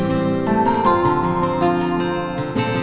ya kita beres beres dulu